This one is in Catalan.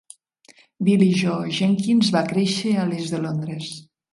Billie-Jo Jenkins va créixer a l'est de Londres.